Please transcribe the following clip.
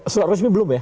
surat resmi belum ya